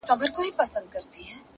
• څه مسته نسه مي پـــه وجود كي ده؛